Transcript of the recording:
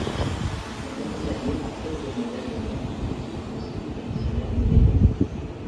Ils sont accompagnés par sept demoiselles d’honneur vêtues du costume traditionnel monégasque.